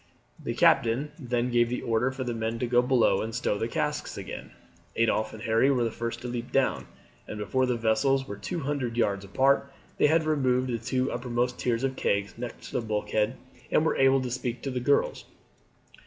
The captain then gave the order for the men to go below and stow the casks again. Adolphe and Harry were the first to leap down, and before the vessels were two hundred yards apart they had removed the two uppermost tiers of kegs next to the bulkhead, and were able to speak to the girls.